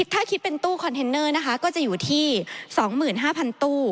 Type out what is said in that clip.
ถ้าคิดเป็นตู้คอนเทนเนอร์นะคะก็จะอยู่ที่๒๕๐๐๐ตู้